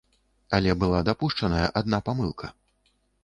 Але была дапушчаная адна памылка.